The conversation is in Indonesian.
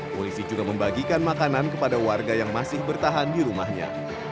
polisi juga membagikan makanan kepada warga yang masih bertahan di rumahnya